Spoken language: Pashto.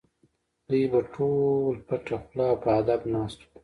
دوی به ټول پټه خوله او په ادب ناست وو.